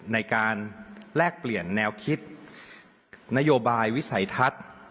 ในการแลกเปลี่ยนแนวคิดนโยบายวิสัยทัศน์